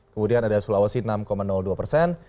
kemudian ada sulawesi enam dua persen